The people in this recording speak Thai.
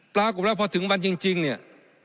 ปรากฏว่าพอถึงวันจริงเนี่ย